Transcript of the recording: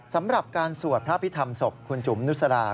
สำหรับการสวดพระพิธรรมศพคุณจุ๋มนุษรา